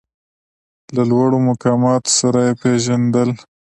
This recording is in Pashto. له لوړو مقاماتو سره یې پېژندل.